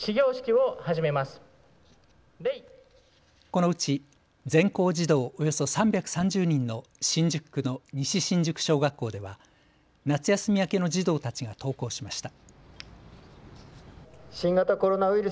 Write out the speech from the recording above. このうち全校児童およそ３３０人の新宿区の西新宿小学校では夏休み明けの児童たちが登校しました。